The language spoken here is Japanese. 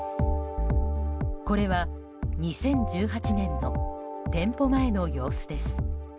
これは、２０１８年の店舗前の様子です。